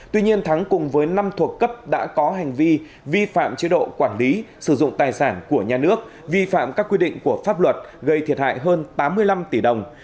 tuy nhiên thắng cùng với năm thuộc cấp đã có hành vi vi phạm chế độ quản lý sử dụng tài sản của nhà nước vi phạm các quy định của pháp luật gây thiệt hại hơn tám mươi năm tỷ đồng